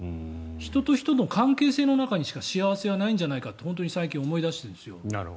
人と人の関係性の中にしか幸せはないんじゃないかって本当に最近思いだしているんですよ。